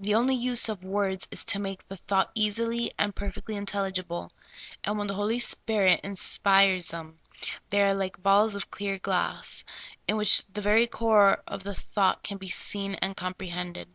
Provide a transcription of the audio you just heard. The only use of words is to make the thought easily and per fectly intelligible, and when the Holy Spirit inspires them, they are like balls of clear glass, in which the ver}^ core of the thought can be seen and compre hended.